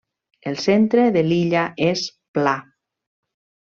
El centre de l'illa és pla.